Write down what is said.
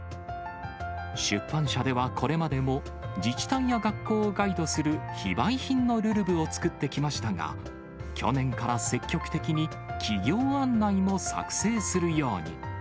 出版社ではこれまでも自治体や学校をガイドする非売品のるるぶを作ってきましたが、去年から積極的に、企業案内も作成するように。